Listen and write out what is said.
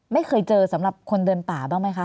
ไม่เคยเจอสำหรับคนเดินป่าบ้างไหมคะ